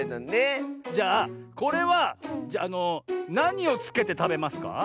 じゃあこれはなにをつけてたべますか？